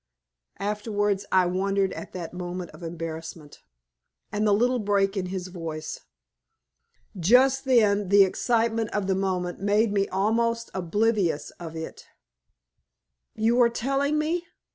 Afterwards I wondered at that moment of embarrassment, and the little break in his voice. Just then the excitement of the moment made me almost oblivious of it. "You are telling me!"